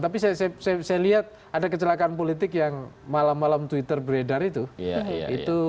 tapi saya lihat ada kecelakaan politik yang malam malam twitter beredar itu